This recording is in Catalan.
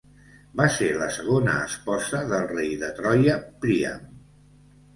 Va ser la segona esposa del rei de Troia Príam.